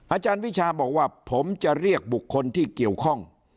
อาจารย์วิชาบอกว่าผมจะเรียกบุคคลที่เกี่ยวข้อง